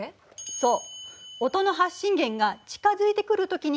そう。